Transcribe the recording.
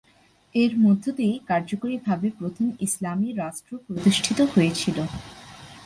এর মধ্য দিয়েই কার্যকরীভাবে প্রথম ইসলামী রাষ্ট্র প্রতিষ্ঠিত হয়েছিল।